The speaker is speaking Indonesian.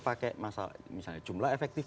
pakai masalah misalnya jumlah efektif